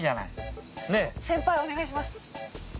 先輩お願いします。